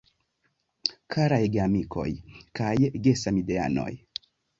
Karaj geamikoj kaj gesamideanoj.